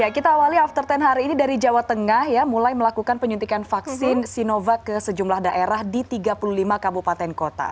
kita awali after sepuluh hari ini dari jawa tengah ya mulai melakukan penyuntikan vaksin sinovac ke sejumlah daerah di tiga puluh lima kabupaten kota